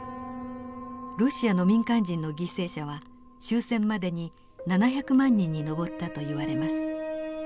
ロシアの民間人の犠牲者は終戦までに７００万人に上ったといわれます。